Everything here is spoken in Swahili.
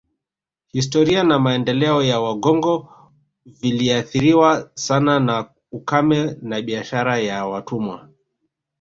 Historia na maendeleo ya Wagogo viliathiriwa sana na ukame na biashara ya watumwa